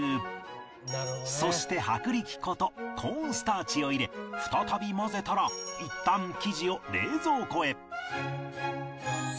そして薄力粉とコーンスターチを入れ再び混ぜたらいったん生地を冷蔵庫へ